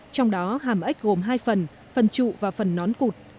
trong đó hàm ếch gồm hai phần phần trụ và phần nón cụt